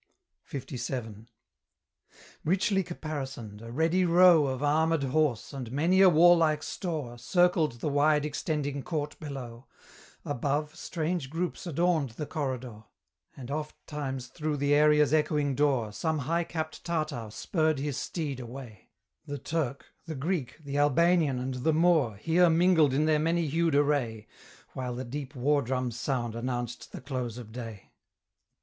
LVII. Richly caparisoned, a ready row Of armed horse, and many a warlike store, Circled the wide extending court below; Above, strange groups adorned the corridor; And ofttimes through the area's echoing door, Some high capped Tartar spurred his steed away; The Turk, the Greek, the Albanian, and the Moor, Here mingled in their many hued array, While the deep war drum's sound announced the close of day.